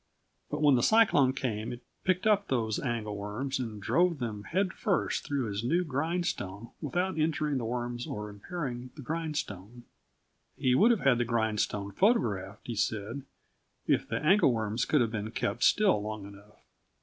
But when the cyclone came it picked up those angle worms and drove them head first through his new grindstone without injuring the worms or impairing the grindstone. He would have had the grindstone photographed, he said, if the angle worms could have been kept still long enough.